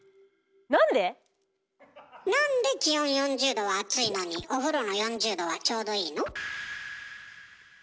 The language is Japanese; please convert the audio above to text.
なんで気温４０℃は暑いのにお風呂の４０℃はちょうどいいの？